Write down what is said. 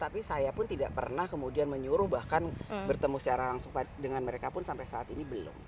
tapi saya pun tidak pernah kemudian menyuruh bahkan bertemu secara langsung dengan mereka pun sampai saat ini belum